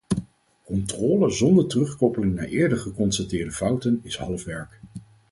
Controle zonder terugkoppeling naar eerder geconstateerde fouten is half werk.